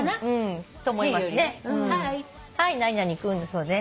そうね。